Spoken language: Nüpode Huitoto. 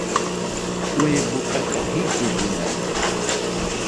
Kue butaka, jillugunaide.